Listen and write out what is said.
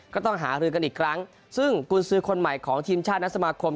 ก็ต้องหารือกันอีกครั้งซึ่งกุญสือคนใหม่ของทีมชาติและสมาคม